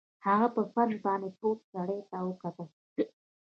هغه په فرش باندې پروت سړي ته وکتل